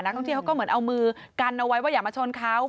ท่องเที่ยวเขาก็เหมือนเอามือกันเอาไว้ว่าอย่ามาชนเขา